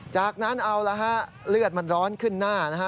จากนั้นเอาละฮะเลือดมันร้อนขึ้นหน้านะฮะ